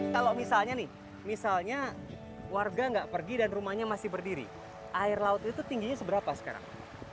kalau misalnya nih misalnya warga nggak pergi dan rumahnya masih berdiri air laut itu tingginya seberapa sekarang